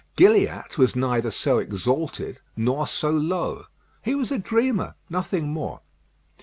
Gilliatt was neither so exalted nor so low. He was a dreamer: nothing more.